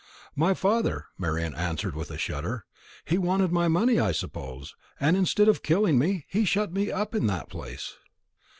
"My father," Marian answered with a shudder. "He wanted my money, I suppose; and instead of killing me, he shut me up in that place."